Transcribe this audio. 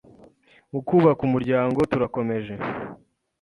mu kubaka umuryango turakomeje